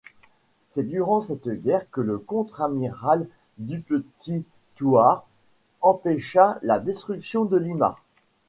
C'est durant cette guerre que le contre-amiral Dupetit-Thouars empêcha la destruction de Lima.